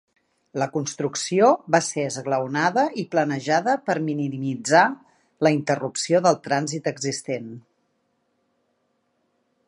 La construcció va ser esglaonada i planejada per minimitzar la interrupció del trànsit existent.